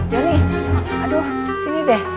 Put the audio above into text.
ya nih sini deh